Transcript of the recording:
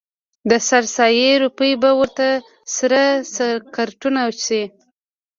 د سر سایې روپۍ به ورته سره سکروټه شي.